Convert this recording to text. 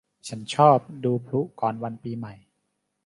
ฉันชอบดูพลุก่อนวันปีใหม่